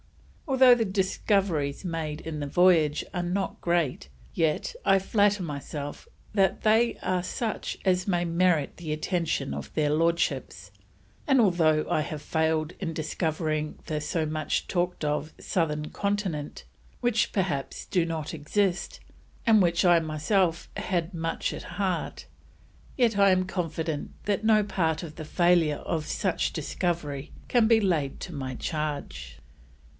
Although the discoverys made in the Voyage are not great, yet I flatter myself they are such as may merit the Attention of their Lordships, and altho' I have failed in discovering the so much talked of Southern Continent (which perhaps do not exist), and which I myself had much at heart, yet I am confident that no part of the failure of such discovery can be laid to my charge.